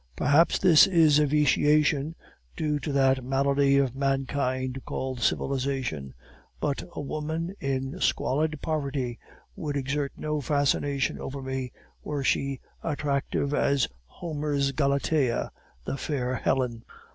Perhaps this is a vitiation due to that malady of mankind called civilization; but a woman in squalid poverty would exert no fascination over me, were she attractive as Homer's Galatea, the fair Helen.